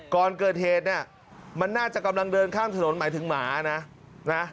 ก่อนเกิดเหตุเนี่ยมันน่าจะกำลังเดินข้ามถนนหมายถึงหมานะนะ